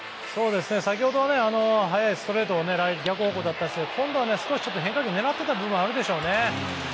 先ほど、速いストレートを逆方向だったんですけども今度は少し変化球を狙ってた部分はあったでしょうね。